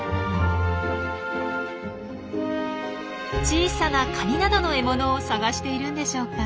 小さなカニなどの獲物を探しているんでしょうか。